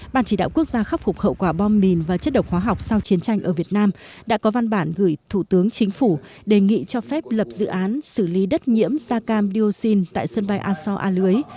ban chỉ đạo quốc gia khắc phục hậu quả bom mìn và chất độc hóa học sau chiến tranh ở việt nam đã có văn bản gửi thủ tướng chính phủ đề nghị cho phép lập dự án xử lý đất nhiễm da cam dioxin tại sân bay aso a lưới